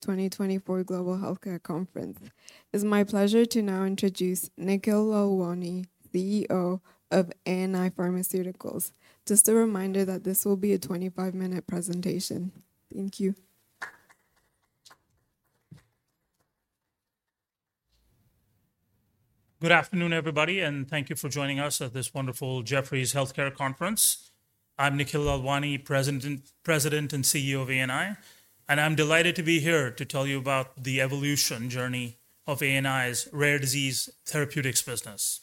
2024 Global Healthcare Conference. It's my pleasure to now introduce Nikhil Lalwani, CEO of ANI Pharmaceuticals. Just a reminder that this will be a 25-minute presentation. Thank you. Good afternoon, everybody, and thank you for joining us at this wonderful Jefferies Healthcare Conference. I'm Nikhil Lalwani, President and CEO of ANI, and I'm delighted to be here to tell you about the evolution journey of ANI's Rare Disease therapeutics business.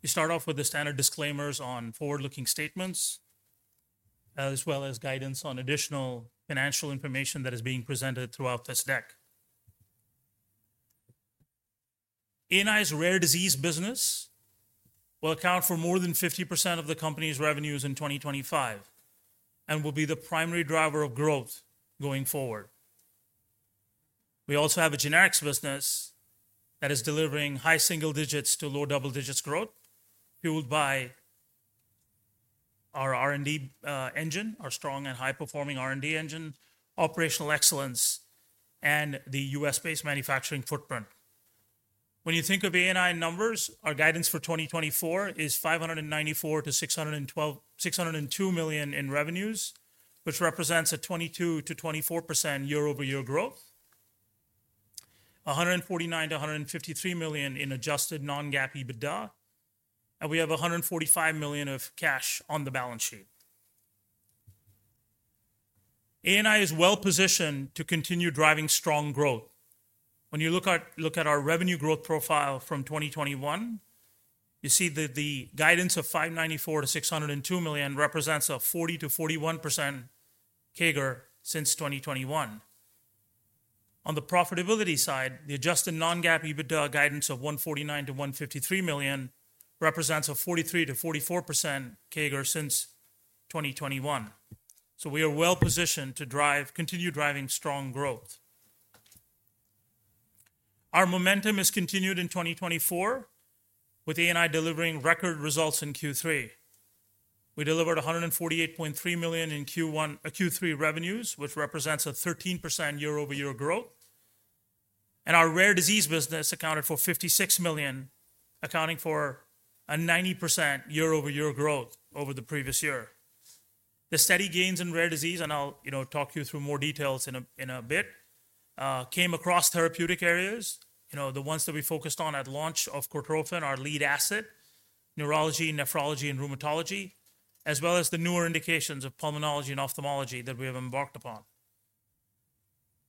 We start off with the standard disclaimers on forward-looking statements, as well as guidance on additional financial information that is being presented throughout this deck. ANI's Rare Disease business will account for more than 50% of the company's revenues in 2025 and will be the primary driver of growth going forward. We also have a generics business that is delivering high single digits to low double digits growth, fueled by our R&D engine, our strong and high-performing R&D engine, operational excellence, and the U.S.-based manufacturing footprint. When you think of ANI numbers, our guidance for 2024 is $594 million-$602 million in revenues, which represents a 22%-24% year-over-year growth, $149 million-$153 million in adjusted non-GAAP EBITDA, and we have $145 million of cash on the balance sheet. ANI is well positioned to continue driving strong growth. When you look at our revenue growth profile from 2021, you see that the guidance of $594 million-$602 million represents a 40%-41% CAGR since 2021. On the profitability side, the adjusted non-GAAP EBITDA guidance of $149 million-$153 million represents a 43%-44% CAGR since 2021. So we are well positioned to continue driving strong growth. Our momentum has continued in 2024, with ANI delivering record results in Q3. We delivered $148.3 million in Q3 revenues, which represents a 13% year-over-year growth. And our Rare Disease business accounted for $56 million, accounting for a 90% year-over-year growth over the previous year. The steady gains in Rare Disease, and I'll talk you through more details in a bit, came across therapeutic areas, the ones that we focused on at launch of Cortrophin, our lead asset, neurology, nephrology, and rheumatology, as well as the newer indications of pulmonology and ophthalmology that we have embarked upon.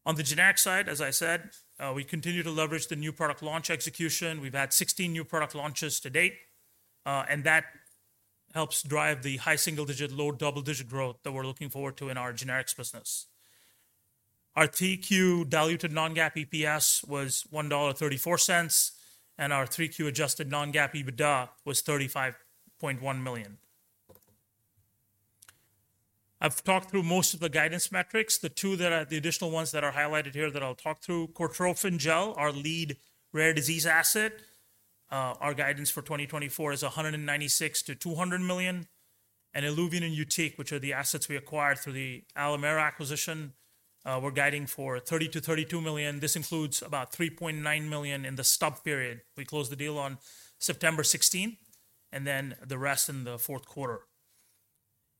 On the generic side, as I said, we continue to leverage the new product launch execution. We've had 16 new product launches to date, and that helps drive the high single digit, low double digit growth that we're looking forward to in our generics business. Our 3Q diluted non-GAAP EPS was $1.34, and our 3Q adjusted non-GAAP EBITDA was $35.1 million. I've talked through most of the guidance metrics. The two that are the additional ones that are highlighted here that I'll talk through, Cortrophin Gel, our lead Rare Disease asset, our guidance for 2024 is $196 million-$200 million, and ILUVIEN and YUTIQ, which are the assets we acquired through the Alimera acquisition, we're guiding for $30 million-$32 million. This includes about $3.9 million in the stub period. We closed the deal on September 16, and then the rest in the fourth quarter,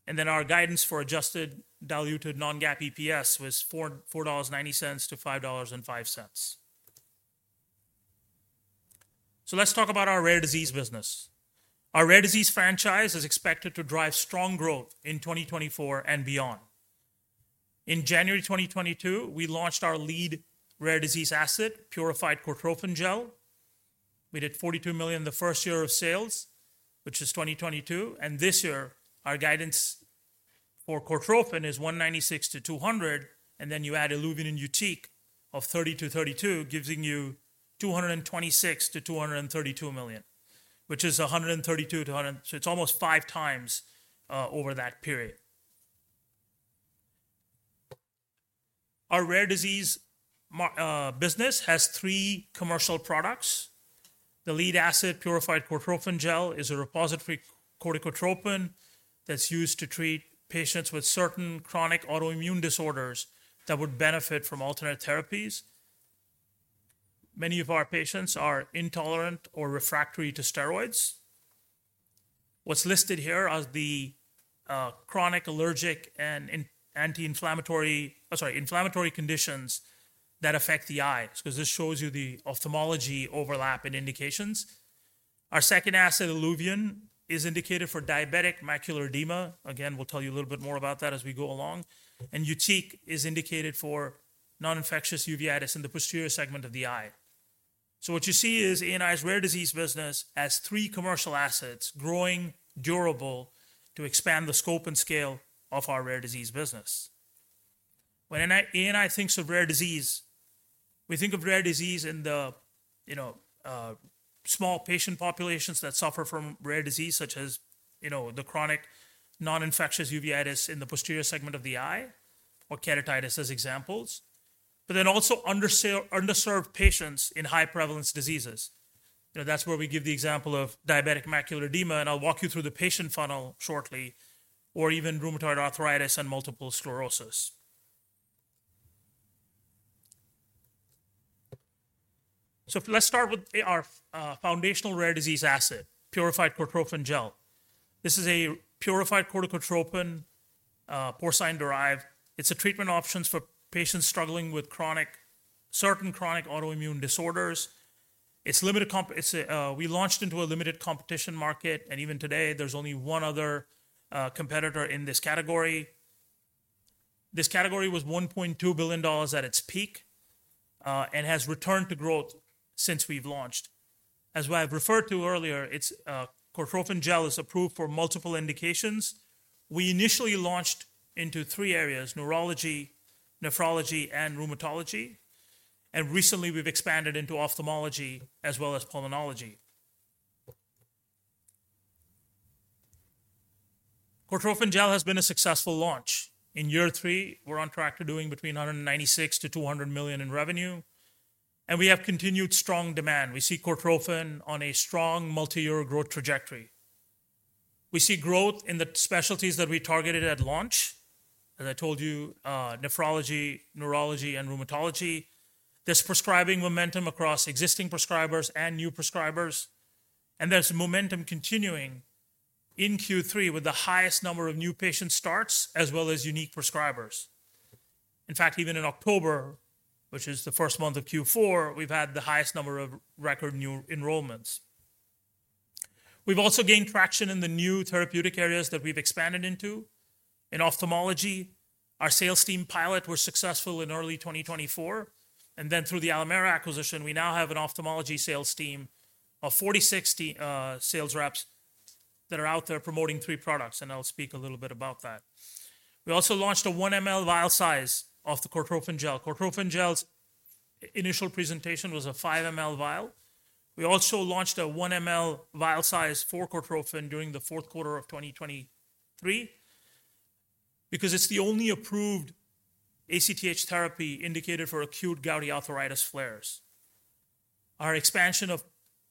and then our guidance for adjusted diluted non-GAAP EPS was $4.90-$5.05, so let's talk about our Rare Disease business. Our Rare Disease franchise is expected to drive strong growth in 2024 and beyond. In January 2022, we launched our lead Rare Disease asset, Purified Cortrophin Gel. We did $42 million the first year of sales, which is 2022. This year, our guidance for Cortrophin is $196 million-$200 million, and then you add ILUVIEN and YUTIQ of $30 million-$32 million, giving you $226 million-$232 million, which is [$132 million]. It's almost 5x over that period. Our Rare Disease business has three commercial products. The lead asset, Purified Cortrophin Gel, is a repository corticotropin that's used to treat patients with certain chronic autoimmune disorders that would benefit from alternate therapies. Many of our patients are intolerant or refractory to steroids. What's listed here are the chronic allergic and anti-inflammatory conditions that affect the eyes, because this shows you the ophthalmology overlap and indications. Our second asset, ILUVIEN, is indicated for diabetic macular edema. Again, we'll tell you a little bit more about that as we go along. YUTIQ is indicated for non-infectious uveitis in the posterior segment of the eye. What you see is ANI's Rare Disease business as three commercial assets, growing, durable, to expand the scope and scale of our Rare Disease business. When ANI thinks of Rare Disease, we think of Rare Disease in the small patient populations that suffer from Rare Disease, such as the chronic non-infectious uveitis in the posterior segment of the eye, or keratitis as examples, but then also underserved patients in high prevalence diseases. That's where we give the example of diabetic macular edema, and I'll walk you through the patient funnel shortly, or even rheumatoid arthritis and multiple sclerosis. Let's start with our foundational Rare Disease asset, Purified Cortrophin Gel. This is a purified corticotropin, porcine-derived. It's a treatment option for patients struggling with certain chronic autoimmune disorders. We launched into a limited competition market, and even today, there's only one other competitor in this category. This category was $1.2 billion at its peak and has returned to growth since we've launched. As I've referred to earlier, Cortrophin Gel is approved for multiple indications. We initially launched into three areas: neurology, nephrology, and rheumatology. And recently, we've expanded into ophthalmology as well as pulmonology. Cortrophin Gel has been a successful launch. In year three, we're on track to doing between $196 million to $200 million in revenue, and we have continued strong demand. We see Cortrophin on a strong multi-year growth trajectory. We see growth in the specialties that we targeted at launch, as I told you, nephrology, neurology, and rheumatology. There's prescribing momentum across existing prescribers and new prescribers, and there's momentum continuing in Q3 with the highest number of new patient starts as well as unique prescribers. In fact, even in October, which is the first month of Q4, we've had the highest number of record new enrollments. We've also gained traction in the new therapeutic areas that we've expanded into. In ophthalmology, our sales team pilot was successful in early 2024, and then through the Alimera acquisition, we now have an ophthalmology sales team of 46 sales reps that are out there promoting three products, and I'll speak a little bit about that. We also launched a 1 mL vial size of the Cortrophin Gel. Cortrophin Gel's initial presentation was a 5 mL vial. We also launched a 1 mL vial size for Cortrophin during the fourth quarter of 2023 because it's the only approved ACTH therapy indicated for acute gouty arthritis flares. Our expansion of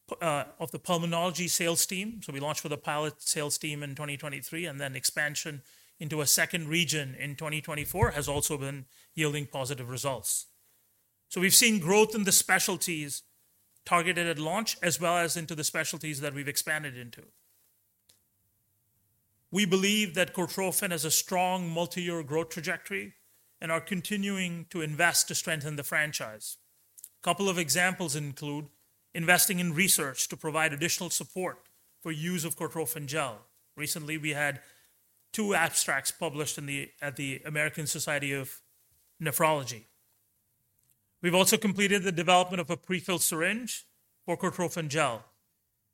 the pulmonology sales team, so we launched with a pilot sales team in 2023, and then expansion into a second region in 2024 has also been yielding positive results. So we've seen growth in the specialties targeted at launch as well as into the specialties that we've expanded into. We believe that Cortrophin has a strong multi-year growth trajectory and are continuing to invest to strengthen the franchise. A couple of examples include investing in research to provide additional support for use of Cortrophin Gel. Recently, we had two abstracts published at the American Society of Nephrology. We've also completed the development of a prefilled syringe for Cortrophin Gel.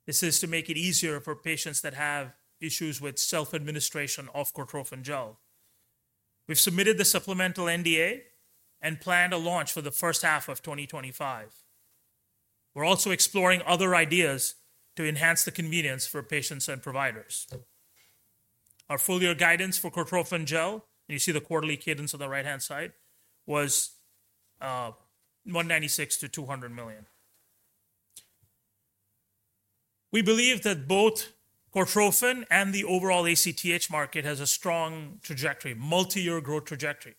This is to make it easier for patients that have issues with self-administration of Cortrophin Gel. We've submitted the supplemental NDA and planned a launch for the first half of 2025. We're also exploring other ideas to enhance the convenience for patients and providers. Our full year guidance for Cortrophin Gel, and you see the quarterly cadence on the right-hand side, was $196 million-$200 million. We believe that both Cortrophin and the overall ACTH market has a strong trajectory, multi-year growth trajectory.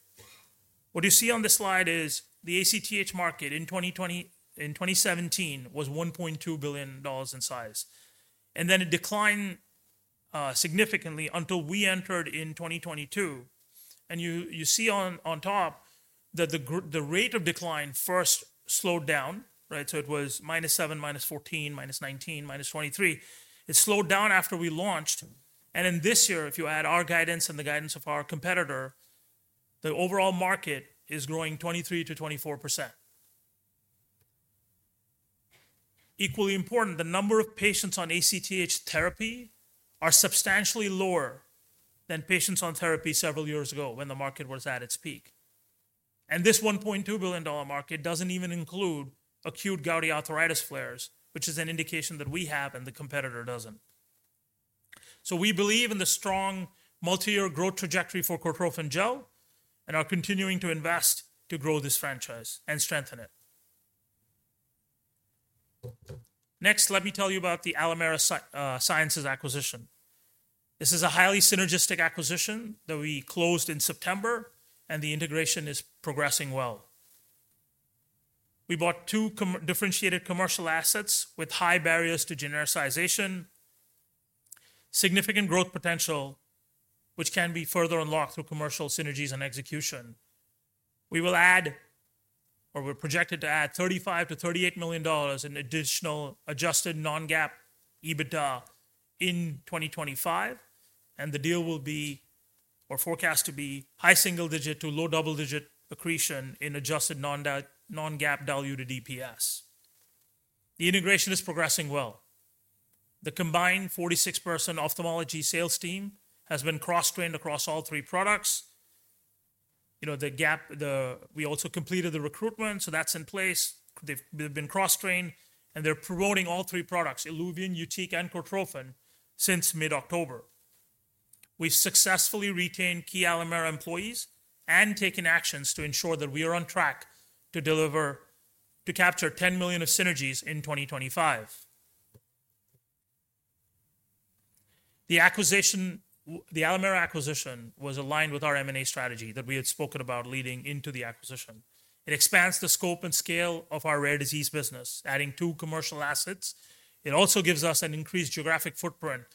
What you see on this slide is the ACTH market in 2017 was $1.2 billion in size, and then it declined significantly until we entered in 2022, and you see on top that the rate of decline first slowed down, right, so it was minus 7%, minus 14%, minus 19%, minus 23%. It slowed down after we launched, and in this year, if you add our guidance and the guidance of our competitor, the overall market is growing 23%-24%. Equally important, the number of patients on ACTH therapy are substantially lower than patients on therapy several years ago when the market was at its peak. And this $1.2 billion market doesn't even include acute gouty arthritis flares, which is an indication that we have and the competitor doesn't. So we believe in the strong multi-year growth trajectory for Cortrophin Gel and are continuing to invest to grow this franchise and strengthen it. Next, let me tell you about the Alimera Sciences acquisition. This is a highly synergistic acquisition that we closed in September, and the integration is progressing well. We bought two differentiated commercial assets with high barriers to genericization, significant growth potential, which can be further unlocked through commercial synergies and execution. We will add, or we're projected to add, $35-$38 million in additional adjusted non-GAAP EBITDA in 2025, and the deal will be or forecast to be high single digit to low double digit accretion in adjusted non-GAAP diluted EPS. The integration is progressing well. The combined 46-person ophthalmology sales team has been cross-trained across all three products. We also completed the recruitment, so that's in place. They've been cross-trained, and they're promoting all three products, ILUVIEN, YUTIQ, and Cortrophin, since mid-October. We've successfully retained key Alimera employees and taken actions to ensure that we are on track to capture $10 million of synergies in 2025. The Alimera acquisition was aligned with our M&A strategy that we had spoken about leading into the acquisition. It expands the scope and scale of our Rare Disease business, adding two commercial assets. It also gives us an increased geographic footprint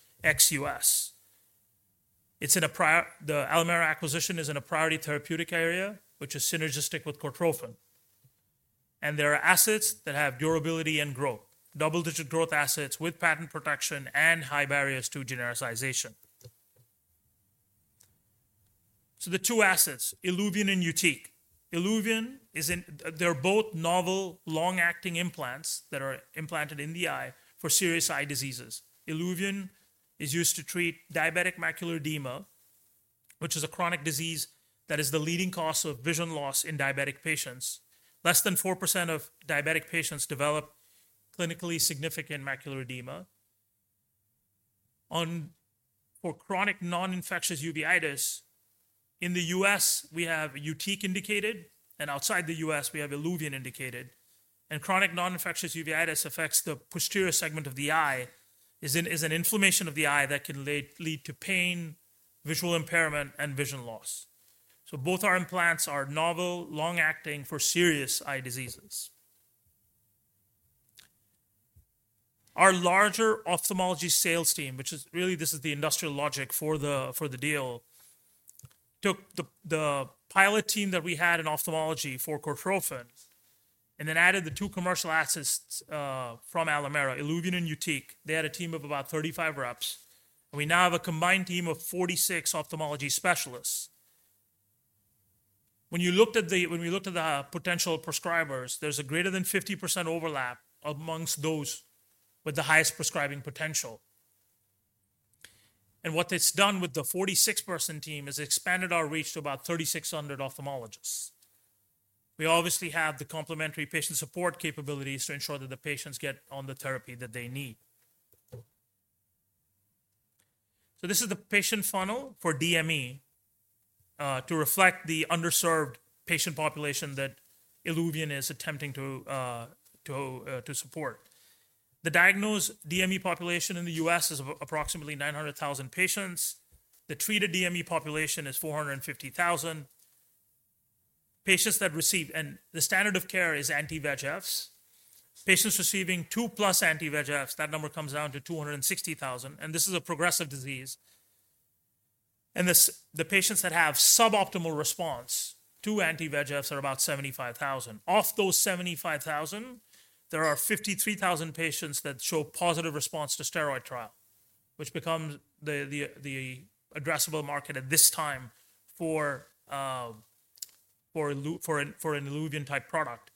ex-U.S. The Alimera acquisition is in a priority therapeutic area, which is synergistic with Cortrophin, and there are assets that have durability and growth, double-digit growth assets with patent protection and high barriers to genericization, so the two assets, ILUVIEN and YUTIQ. ILUVIEN, they're both novel long-acting implants that are implanted in the eye for serious eye diseases. ILUVIEN is used to treat diabetic macular edema, which is a chronic disease that is the leading cause of vision loss in diabetic patients. Less than 4% of diabetic patients develop clinically significant macular edema. For chronic non-infectious uveitis, in the U.S., we have YUTIQ indicated, and outside the U.S., we have ILUVIEN indicated, and chronic non-infectious uveitis affects the posterior segment of the eye. It's an inflammation of the eye that can lead to pain, visual impairment, and vision loss, so both our implants are novel, long-acting for serious eye diseases. Our larger ophthalmology sales team, which is really, this is the industrial logic for the deal, took the pilot team that we had in ophthalmology for Cortrophin and then added the two commercial assets from Alimera, ILUVIEN and YUTIQ. They had a team of about 35 reps, and we now have a combined team of 46 ophthalmology specialists. When we looked at the potential prescribers, there's a greater than 50% overlap amongst those with the highest prescribing potential. And what it's done with the 46-person team is it expanded our reach to about 3,600 ophthalmologists. We obviously have the complementary patient support capabilities to ensure that the patients get on the therapy that they need. So this is the patient funnel for DME to reflect the underserved patient population that ILUVIEN is attempting to support. The diagnosed DME population in the U.S. is approximately 900,000 patients. The treated DME population is 450,000. Patients that receive, and the standard of care is anti-VEGFs. Patients receiving two-plus anti-VEGFs, that number comes down to 260,000, and this is a progressive disease. And the patients that have suboptimal response to anti-VEGFs are about 75,000. Of those 75,000, there are 53,000 patients that show positive response to steroid trial, which becomes the addressable market at this time for an ILUVIEN-type product.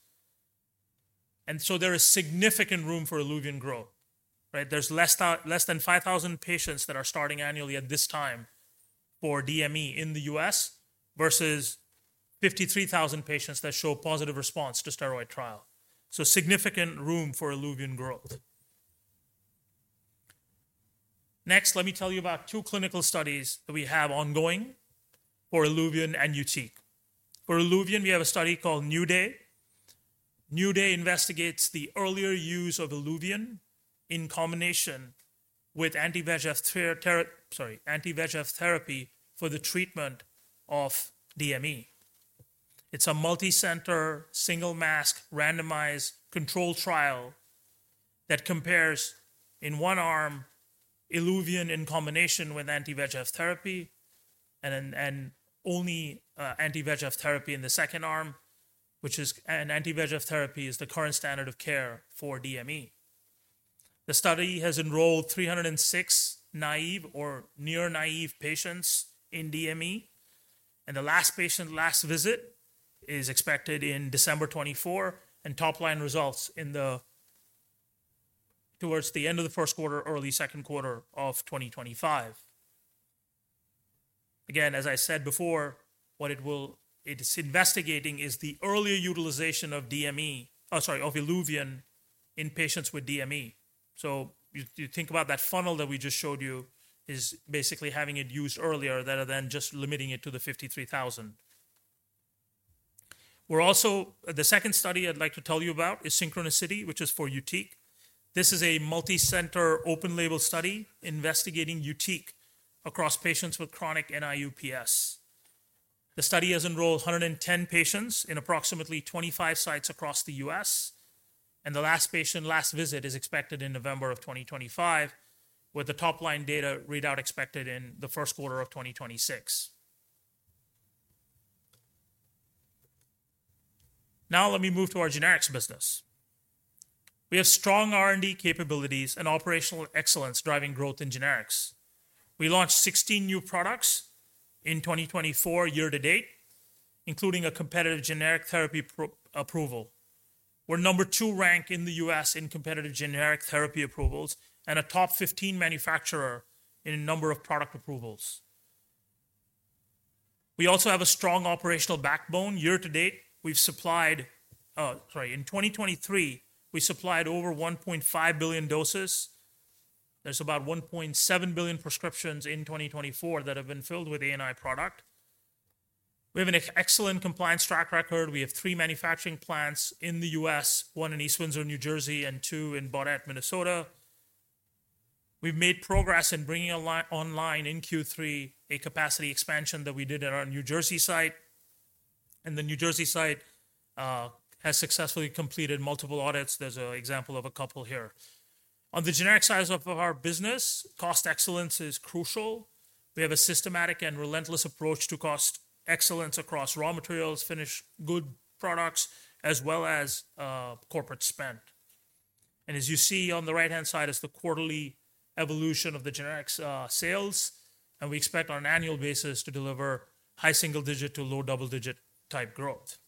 And so there is significant room for ILUVIEN growth, right? There's less than 5,000 patients that are starting annually at this time for DME in the U.S. versus 53,000 patients that show positive response to steroid trial. So significant room for ILUVIEN growth. Next, let me tell you about two clinical studies that we have ongoing for ILUVIEN and YUTIQ. For ILUVIEN, we have a study called NEW DAY. NEW DAY investigates the earlier use of ILUVIEN in combination with anti-VEGF therapy for the treatment of DME. It's a multi-center, single-masked, randomized control trial that compares in one arm ILUVIEN in combination with anti-VEGF therapy and only anti-VEGF therapy in the second arm, and anti-VEGF therapy is the current standard of care for DME. The study has enrolled 306 naive or near-naive patients in DME, and the last patient's last visit is expected in December 2024 and top-line results towards the end of the first quarter, early second quarter of 2025. Again, as I said before, what it's investigating is the earlier utilization of ILUVIEN in patients with DME, so you think about that funnel that we just showed you is basically having it used earlier rather than just limiting it to the 53,000. The second study I'd like to tell you about is Synchronicity, which is for YUTIQ. This is a multi-center open-label study investigating YUTIQ across patients with chronic non-infectious uveitis. The study has enrolled 110 patients in approximately 25 sites across the U.S., and the last patient's last visit is expected in November of 2025, with the top-line data readout expected in the first quarter of 2026. Now, let me move to our generics business. We have strong R&D capabilities and operational excellence driving growth in generics. We launched 16 new products in 2024 year to date, including a competitive generic therapy approval. We're number two ranked in the U.S. in competitive generic therapy approvals and a top 15 manufacturer in a number of product approvals. We also have a strong operational backbone. Year to date, we've supplied, sorry, in 2023, we supplied over 1.5 billion doses. There's about 1.7 billion prescriptions in 2024 that have been filled with ANI product. We have an excellent compliance track record. We have three manufacturing plants in the U.S., one in East Windsor, New Jersey, and two in Baudette, Minnesota. We've made progress in bringing online in Q3 a capacity expansion that we did at our New Jersey site. The New Jersey site has successfully completed multiple audits. There's an example of a couple here. On the generic side of our business, cost excellence is crucial. We have a systematic and relentless approach to cost excellence across raw materials, finished good products, as well as corporate spend. As you see on the right-hand side is the quarterly evolution of the generics sales, and we expect on an annual basis to deliver high single digit to low double digit type growth.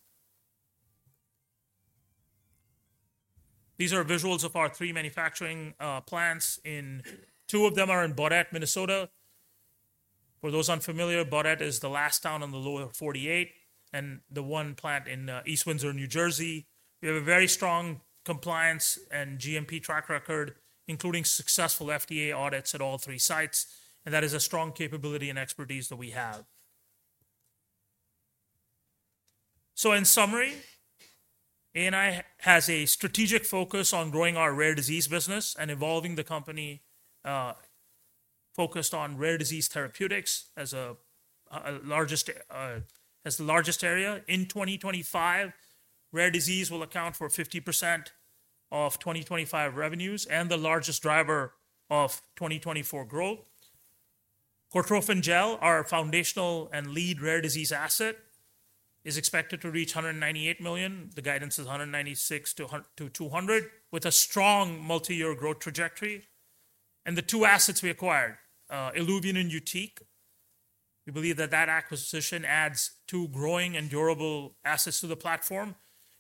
These are visuals of our three manufacturing plants. Two of them are in Baudette, Minnesota. For those unfamiliar, Baudette is the last town on the Lower 48 and the one plant in East Windsor, New Jersey. We have a very strong compliance and GMP track record, including successful FDA audits at all three sites, and that is a strong capability and expertise that we have. So in summary, ANI has a strategic focus on growing our Rare Disease business and evolving the company focused on Rare Disease therapeutics as the largest area. In 2025, Rare Disease will account for 50% of 2025 revenues and the largest driver of 2024 growth. Cortrophin Gel, our foundational and lead Rare Disease asset, is expected to reach $198 million. The guidance is $196 million-$200 million with a strong multi-year growth trajectory. And the two assets we acquired, ILUVIEN and YUTIQ, we believe that that acquisition adds two growing and durable assets to the platform,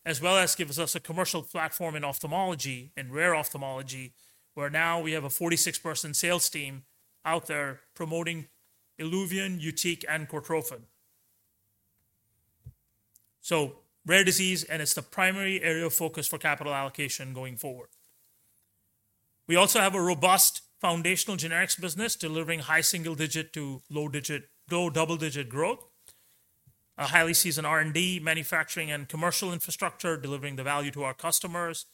as well as gives us a commercial platform in ophthalmology and rare ophthalmology, where now we have a 46-person sales team out there promoting ILUVIEN, YUTIQ, and Cortrophin. So Rare Disease, and it's the primary area of focus for capital allocation going forward. We also have a robust foundational generics business delivering high single digit to low double digit growth, a highly seasoned R&D, manufacturing, and commercial infrastructure delivering the value to our customers.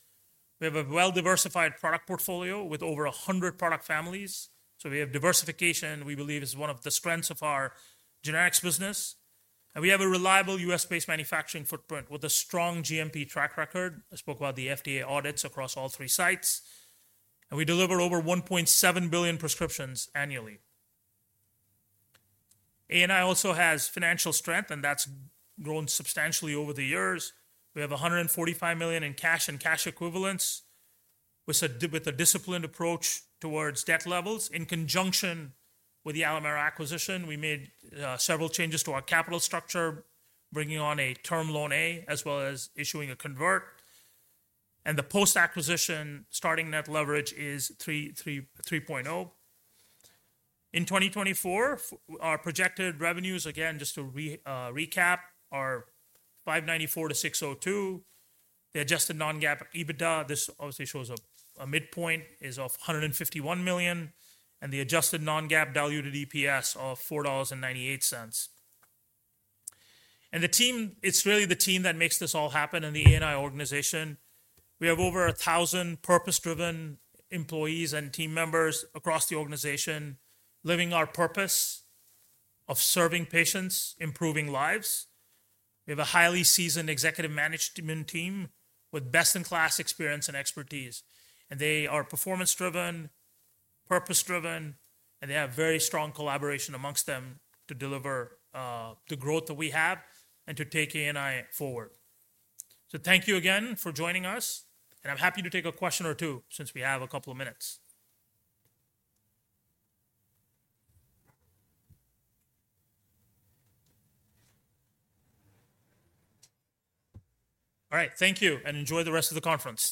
We have a well-diversified product portfolio with over 100 product families. So we have diversification, we believe, is one of the strengths of our generics business. And we have a reliable U.S.-based manufacturing footprint with a strong GMP track record. I spoke about the FDA audits across all three sites. And we deliver over 1.7 billion prescriptions annually. ANI also has financial strength, and that's grown substantially over the years. We have $145 million in cash and cash equivalents with a disciplined approach towards debt levels. In conjunction with the Alimera acquisition, we made several changes to our capital structure, bringing on a term loan A as well as issuing a convertible. And the post-acquisition starting net leverage is 3.0. In 2024, our projected revenues, again, just to recap, are $594-$602. The adjusted non-GAAP EBITDA, this obviously shows a midpoint, is of $151 million, and the adjusted non-GAAP diluted EPS of $4.98. And the team, it's really the team that makes this all happen in the ANI organization. We have over 1,000 purpose-driven employees and team members across the organization living our purpose of serving patients, improving lives. We have a highly seasoned executive management team with best-in-class experience and expertise, and they are performance-driven, purpose-driven, and they have very strong collaboration among them to deliver the growth that we have and to take ANI forward, so thank you again for joining us, and I'm happy to take a question or two since we have a couple of minutes. All right, thank you, and enjoy the rest of the conference.